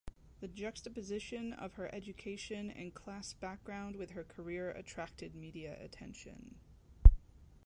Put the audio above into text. The juxtaposition of her education and class background with her career attracted media attention.